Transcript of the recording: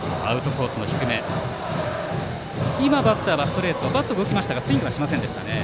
今、バッターはストレートバットは動きましたがスイングはしませんでした。